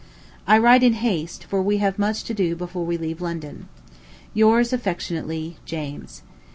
I write in haste, for we have much to do before we leave London. Yours affectionately, JAMES.